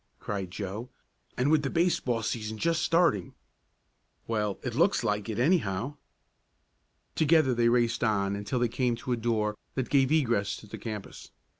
cried Joe, "and with the baseball season just starting." "Well, it looks like it anyhow." Together they raced on until they came to a door that gave egress to the campus.